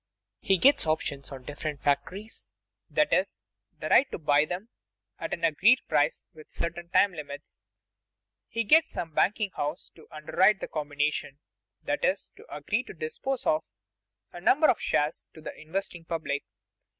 He gets options on different factories, that is, the right to buy them at an agreed price within certain time limits. He gets some banking house to underwrite the combination, that is, to agree to dispose of a number of shares to the investing public.